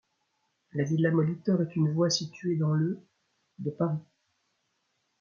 La villa Molitor est une voie située dans le de Paris.